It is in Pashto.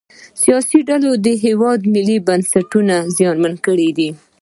سیاسي ډلو د هیواد ملي بنسټونه زیانمن کړي دي